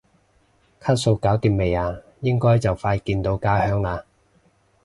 卡數搞掂未啊？應該就快見到家鄉啦？